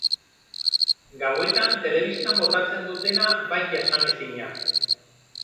Gauetan telebistan botatzen dutena bai jasanezina.